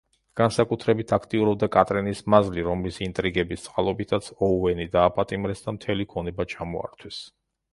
განსაკუთრებით აქტიურობდა კატრინის მაზლი, რომლის ინტრიგების წყალობითაც ოუენი დააპატიმრეს და მთელი ქონება ჩამოართვეს.